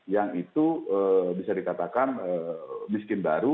yang itu bisa dikatakan miskin baru